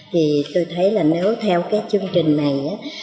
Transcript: thì tôi thấy là nếu theo cái chương trình này